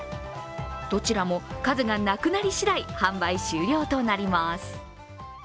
どちらも、数がなくなり次第販売終了となります。